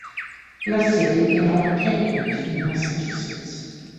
La sede era a Cambridge, in Massachusetts.